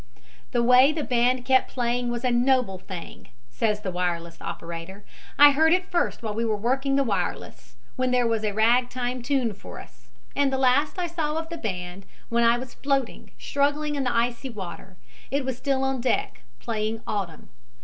"The way the band kept playing was a noble thing," says the wireless operator. "I heard it first while we were working the wireless, when there was a rag time tune for us, and the last I saw of the band, when I was floating, struggling in the icy water, it was still on deck, playing 'Autumn.'